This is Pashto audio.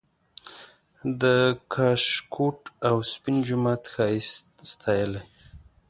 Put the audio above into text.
د کاشکوټ او سپین جومات ښایست ستایلی